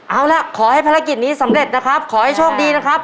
เอาล่ะขอให้ภารกิจนี้สำเร็จนะครับขอให้โชคดีนะครับ